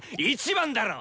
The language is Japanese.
１番だろ！